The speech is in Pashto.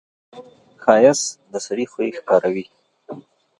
ښایست د سړي خوی ښکاروي